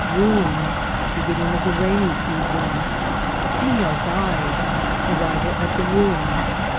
— Ruins.— Beginning of the Rainy Season. — A Female Guide. — Arrival at the Ruins.